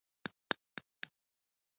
د نورو مازې يو کوچنى ټيکرى پر سر و.